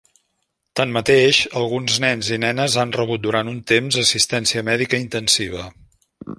Tanmateix, alguns nens i nenes han rebut durant un temps assistència mèdica intensiva.